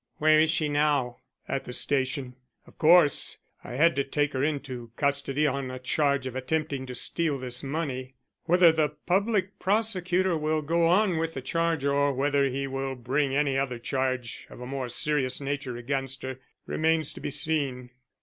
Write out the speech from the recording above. "Where is she now?" "At the station. Of course, I had to take her into custody on a charge of attempting to steal this money. Whether the public prosecutor will go on with the charge or whether he will bring any other charge of a more serious nature against her remains to be seen."